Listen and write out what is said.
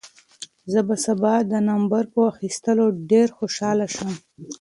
زه به ستا د نمبر په اخیستلو ډېر خوشحاله شم.